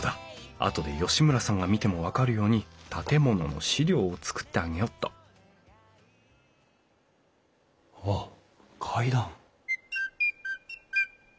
あとで吉村さんが見ても分かるように建物の資料を作ってあげよっとあっ階段。